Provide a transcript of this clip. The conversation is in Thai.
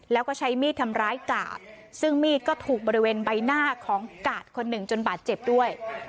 แล้วก็ใช้มีดทำร้ายกาดซึ่งมีดก็ถูกบริเวณใบหน้าของกาดคนหนึ่งจนบาดเจ็บด้วย